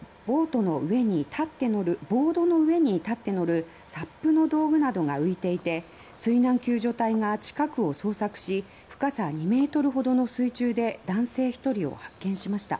湖には、ボードの上に立って乗る「サップ」の道具などが浮いていて水難救助隊が近くを捜索し深さ２ｍほどの水中で男性１人を発見しました。